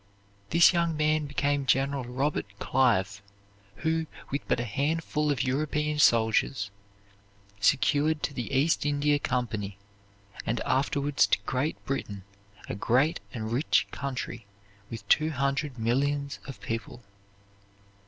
This young man became General Robert Clive, who, with but a handful of European soldiers, secured to the East India Company and afterwards to Great Britain a great and rich country with two hundred millions of people.